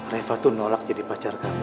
reva tuh nolak jadi pacar kami